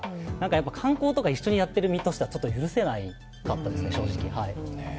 やっぱり観光とか一緒にやっている身としてはちょっと許せなかったですね、正直。